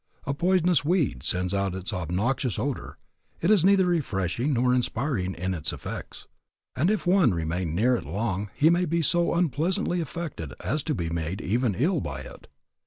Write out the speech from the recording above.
A poisonous weed sends out its obnoxious odor; it is neither refreshing nor inspiring in its effects, and if one remain near it long he may be so unpleasantly affected as to be made even ill by it.